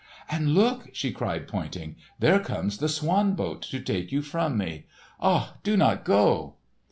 "And look!" she cried pointing. "There comes the swan boat to take you from me! Ah, do not go!"